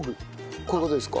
こういう事ですか？